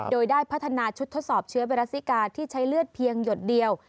โดยได้พัฒนาชุดทดสอบเชื้อไวรัสซิกาที่ใช้เลือดเพียงหยดเดียว